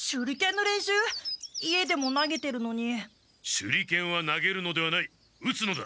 手裏剣は投げるのではない打つのだ！